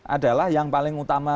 adalah yang paling utama